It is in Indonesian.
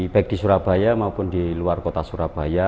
baik di surabaya maupun di luar kota surabaya